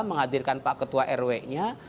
menghadirkan pak ketua rw nya